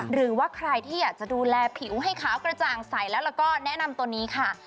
หรือว่าใครที่อยากจะดูแลผิวให้ขาวกระจ่างใสแล้วก็แนะนำตัวนี้ค่ะ